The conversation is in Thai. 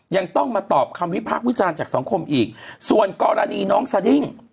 ยังต้องมาตอบคำวิพากษ์วิจารณ์จากสังคมอีกส่วนกรณีน้องสดิ้ง